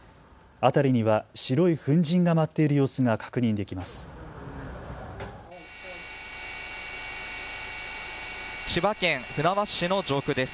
辺りには白い粉じんが舞っている様子が確認できます。